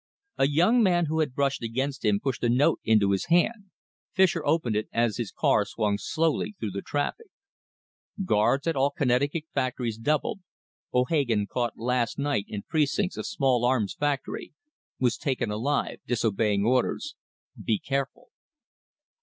A young man who had brushed against him pushed a note into his hand. Fischer opened it as his car swung slowly through the traffic: Guards at all Connecticut factories doubled. O'Hagan caught last night in precincts of small arms factory. Was taken alive, disobeying orders. Be careful.